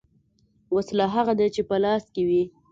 ـ وسله هغه ده چې په لاس کې وي .